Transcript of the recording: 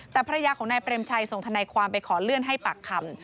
แต่ภรรยาของนายเปรมชัยส่งทนายความไปขอเลื่อนให้ปากคำ